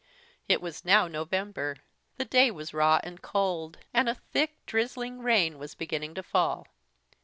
It was now November; the day was raw and cold; and a thick drizzling rain was beginning to fall.